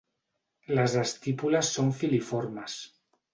Les estípules són filiformes.